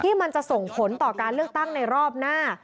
มันจะส่งผลต่อการเลือกตั้งในรอบหน้า